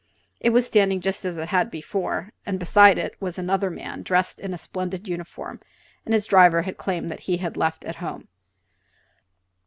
It was standing just as it had before, and beside it was another man dressed in the splendid uniform his driver had claimed that he had left at home.